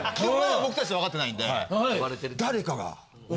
僕たちと分かってないんで。